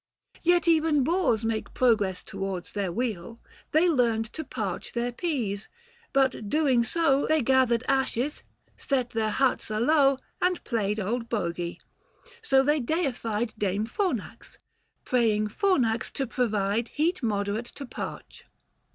Yet even boors make progress towards their weal, They learned to parch their pease ; but doing so They gathered ashes, set their huts alowe, 555 And played old bogy. So they deified Dame Fornax ; praying Fornax to provide Heat moderate to parch.